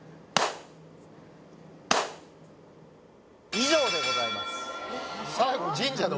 以上でございます